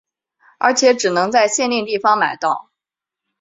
而且只能在限定地方买到。